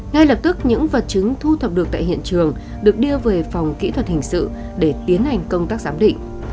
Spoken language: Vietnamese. ngay lập tức những vật chứng thu thập được tại hiện trường được đưa về phòng kỹ thuật hình sự để tiến hành công tác giám định